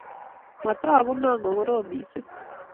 Matagu noo ko korom mising